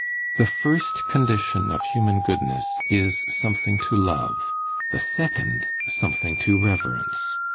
The first condition of human goodness is something to love; the second, something to reverence.